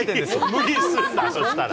無理すんな、そしたら。